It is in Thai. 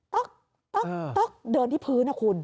ต๊อกต๊อกต๊อกเดินที่พื้นนะคุณ